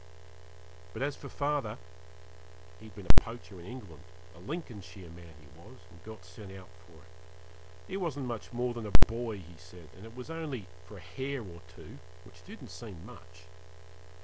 But as for father, he'd been a poacher in England, a Lincolnshire man he was, and got sent out for it. He wasn't much more than a boy, he said, and it was only for a hare or two, which didn't seem much.